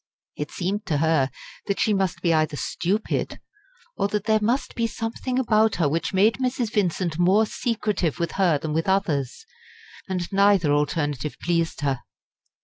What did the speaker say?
It seemed to her that she must be either stupid, or that there must be something about her which made Mrs. Vincent more secretive with her than with others; and neither alternative pleased her.